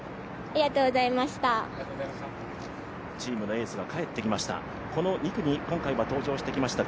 チームのエースが帰ってきました。